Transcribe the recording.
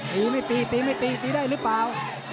ตีไม่ตีตีไม่ตีตีได้หรือเปล่า